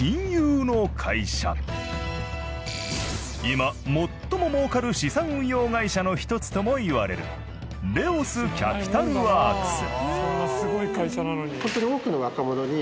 今最も儲かる資産運用会社の一つともいわれるレオス・キャピタルワークス。